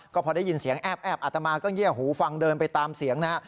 ก็พอได้ยินเสียงแอบอัตมาก็เงียบหูฟังเดินไปตามเสียงนะฮะ